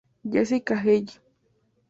Jessica Eye.